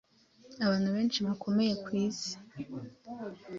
Abantu benshi bakomeye ku isi